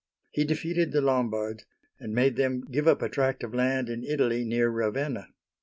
He defeated the Lombards and made them give up a tract of land in Italy near Raven' na.